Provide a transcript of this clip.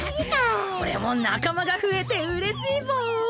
俺も仲間が増えてうれしいぞ！